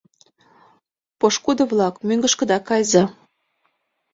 Пошкудо-влак, мӧҥгышкыда кайыза.